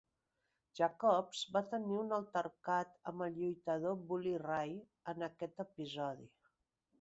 Jacobs va tenir un altercat amb el lluitador Bully Ray en aquest episodi.